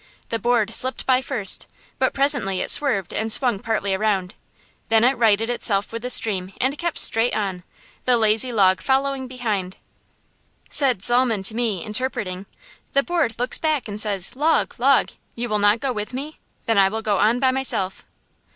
The board slipped by first, but presently it swerved and swung partly around. Then it righted itself with the stream and kept straight on, the lazy log following behind. Said Zalmen to me, interpreting: "The board looks back and says, 'Log, log, you will not go with me? Then I will go on by myself.'"